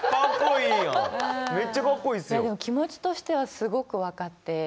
気持ちとしてはすごく分かって。